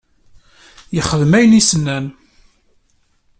Yexdem ayen i s-nnan.